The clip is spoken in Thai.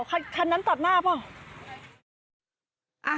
คันนั้นตัดหน้าเปล่า